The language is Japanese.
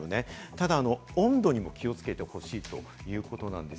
ただ、温度にも気をつけてほしいということです。